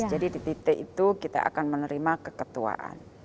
jadi di tti itu kita akan menerima keketuaan